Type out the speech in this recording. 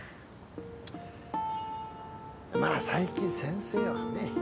まあ佐伯先生はね